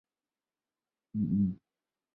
掌叶悬钩子是蔷薇科悬钩子属的植物。